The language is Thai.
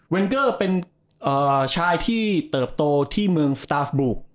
เกอร์เป็นชายที่เติบโตที่เมืองสตาฟบุ